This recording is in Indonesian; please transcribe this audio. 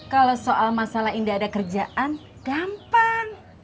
kalau soal masalah gak ada kerjaan gampang